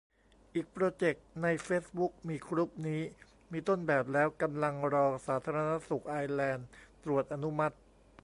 อีกโปรเจกต์ ในเฟซบุ๊กมีกรุ๊ปนี้ มีต้นแบบแล้ว กำลังรอสาธารณสุขไอร์แลนด์ตรวจอนุมัติ